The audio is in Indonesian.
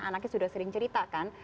anaknya sudah sering cerita kan